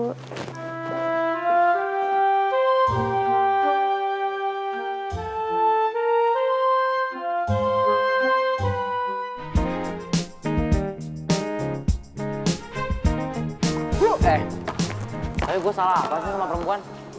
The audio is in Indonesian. tapi gue salah apa sih sama perempuan